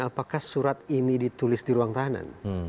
apakah surat ini ditulis di ruang tahanan